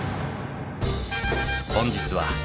本日は。